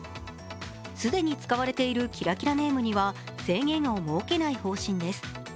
既に使われているキラキラネームについては制限を求めない方針です。